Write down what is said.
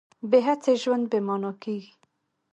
بې هڅې ژوند بې مانا کېږي.